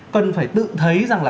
cần phải tự thấy rằng là